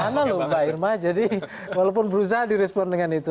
apa apa bang irma jadi walaupun berusaha direspon dengan itu